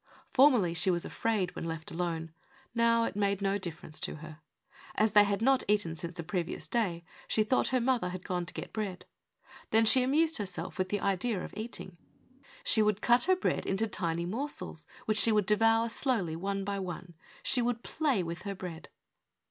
Formerly, she was afraid vdien i Lb alone; now, it made no difference to her. th / had not eaten since the previous day, she thought her mother had gone to get bread. Then she are: » 1 uerself with the idea of eating. She would cut r bread into tiny morsels, which she would de voni . 'Vvly, one by one. She Avould play with her breed.